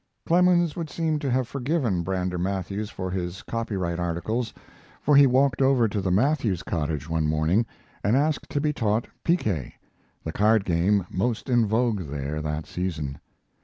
Clemens would seem to have forgiven Brander Matthews for his copyright articles, for he walked over to the Matthews cottage one morning and asked to be taught piquet, the card game most in vogue there that season.